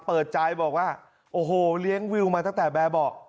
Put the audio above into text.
เปิดใจบอกว่าโอ้โหเลี้ยงวิวมาตั้งแต่แบบบอก